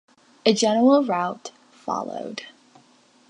A general rout followed.